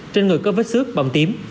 trên người có vết xước bầm tím